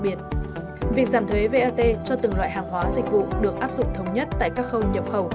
biệt việc giảm thuế vat cho từng loại hàng hóa dịch vụ được áp dụng thống nhất tại các khâu nhập khẩu